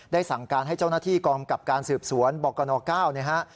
ได้สั่งการให้เจ้าหน้าที่กองกับการสืบสวนบอกกะนอกเกล้า